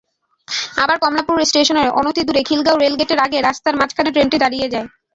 আবার কমলাপুর স্টেশনের অনতিদূরে খিলগাঁও রেলগেটের আগে রাস্তার মাঝখানে ট্রেনটি দাঁড়িয়ে যায়।